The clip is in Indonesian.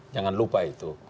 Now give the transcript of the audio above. jangan lupa itu